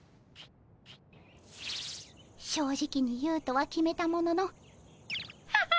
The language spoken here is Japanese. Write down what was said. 正直に言うとは決めたもののあ